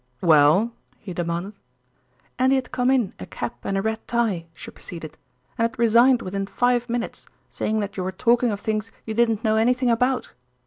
"Well?" he demanded. "And he had come in a cap and a red tie," she proceeded, "and had resigned within five minutes, saying that you were talking of things you didn't know anything about."